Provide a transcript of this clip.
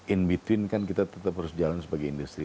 in between kan kita tetap harus jalan sebagai industri